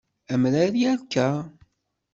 Amrar yerka.